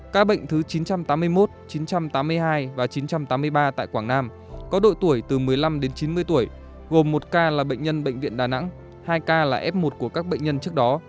ca bệnh thứ chín trăm tám mươi một chín trăm tám mươi hai và chín trăm tám mươi ba tại quảng nam có độ tuổi từ một mươi năm đến chín mươi tuổi gồm một ca là bệnh nhân bệnh viện đà nẵng hai ca là f một của các bệnh nhân trước đó